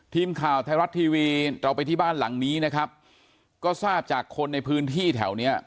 ทีมข่าวไทยรัฐทีวีเราไปที่บ้านหลังนี้นะครับก็ทราบจากคนในพื้นที่แถวเนี้ย